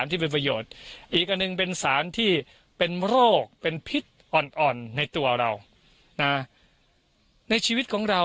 อีกอันหนึ่งเป็นสารที่เป็นโรคเป็นพิษอ่อนอ่อนในตัวเรานะในชีวิตของเรา